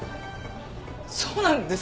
そうなんですか？